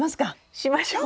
しましょう。